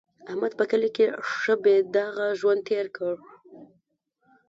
احمد په کلي کې ښه بې داغه ژوند تېر کړ.